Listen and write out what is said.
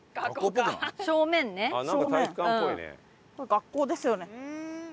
学校ですよね。